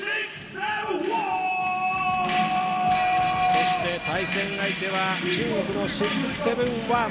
そして対戦相手は、中国の６７１。